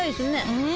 うん。